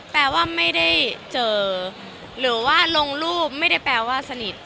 แปลว่าไม่ได้เจอหรือว่าลงรูปไม่ได้แปลว่าสนิท